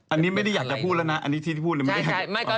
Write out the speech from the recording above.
อันนี้ไม่ได้อยากจะพูดแล้วนะอันนี้ที่พูดเลยไม่ได้อยากจะพูด